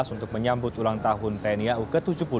untuk menyambut ulang tahun tni au ke tujuh puluh dua